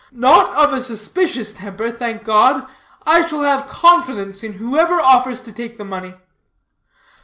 Not of a suspicious temper, thank God, I shall have confidence in whoever offers to take the money."